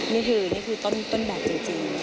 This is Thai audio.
นี่คือต้นแบบจริง